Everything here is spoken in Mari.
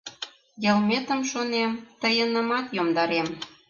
Йылметым, шонем, тыйынымат йомдарем.